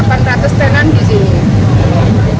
delapan ratus tenan di sini